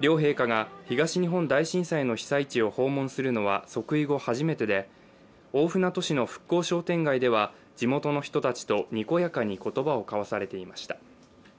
両陛下が東日本大震災の被災地を訪問するのは即位後初めてで大船渡市の復興商店街では地元の人たちとにこやかに言葉を交わされていました。